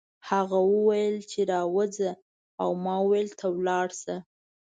هغه وویل چې راوځه او ما وویل ته لاړ شه